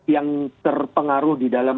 yang terpengaruh di dalam